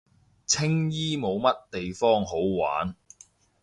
青衣冇乜地方好玩